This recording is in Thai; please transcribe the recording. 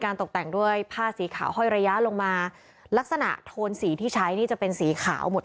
ตกแต่งด้วยผ้าสีขาวห้อยระยะลงมาลักษณะโทนสีที่ใช้นี่จะเป็นสีขาวหมด